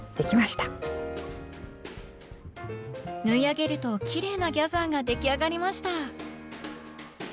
縫い上げるとキレイなギャザーができあがりました！